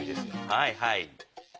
はいはい。